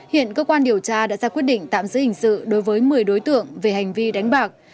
hiện cơ quan điều tra đã ra quyết định tạm giữ hình sự đối với một mươi đối tượng về hành vi đánh bạc